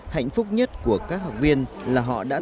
hạnh phúc nhất của các học viên là họ đã